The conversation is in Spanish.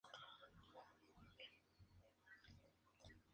Buffy y Joyce están en el Hospital.